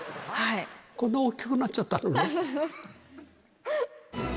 こんな大きくなっちゃったってこと？